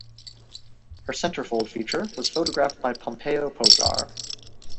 Her centerfold feature was photographed by Pompeo Posar.